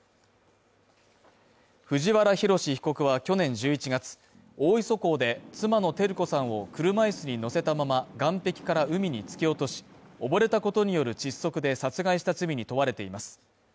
藤原宏被告は去年１１月、大磯港で妻の照子さんを車椅子に乗せたまま、岸壁から海に突き落とし、溺れたことによる窒息で殺害した罪に問われています。